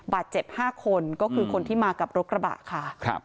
บาดเจ็บ๕คนก็คือคนที่มากับรถกระบะค่ะ